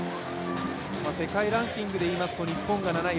世界ランキングでいいますと、日本が７位。